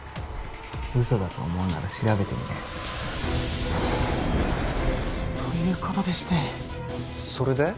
嘘だと思うなら調べてみなよということでしてそれで？